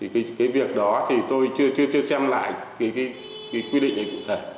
cái việc đó thì tôi chưa xem lại cái quy định này cụ thể